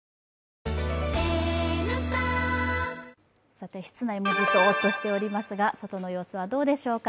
さて室内もじとっとしておりますが外の様子はどうでしょうか。